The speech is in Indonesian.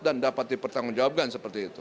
dan dapat dipertanggungjawabkan seperti itu